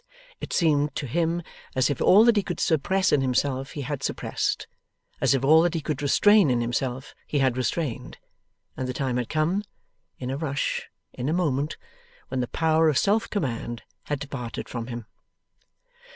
It seemed to him as if all that he could suppress in himself he had suppressed, as if all that he could restrain in himself he had restrained, and the time had come in a rush, in a moment when the power of self command had departed from him.